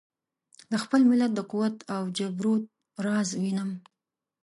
د خپل ملت د قوت او جبروت راز وینم.